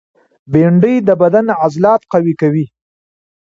بېنډۍ د بدن عضلات قوي کوي